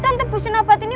biar saya buka kabel ini